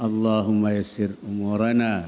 allahumma yassir umurana